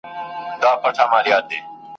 پړ هم زه سوم مړ هم زه سوم ..